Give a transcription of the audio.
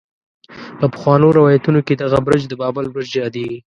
په پخوانو روايتونو کې دغه برج د بابل برج يادېږي.